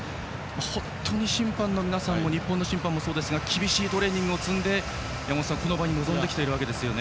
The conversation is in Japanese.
本当に審判の皆さんも日本の審判もそうですが厳しいトレーニングを積み山本さん、この場に臨んできているわけですよね。